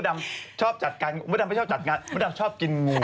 ไม่ชอบจัดง่าหรอกเบอร์ดำอยากจัดกินไม่ชอบจัดง่ากินงู